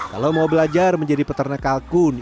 kalau mau belajar menjadi peternak kalkun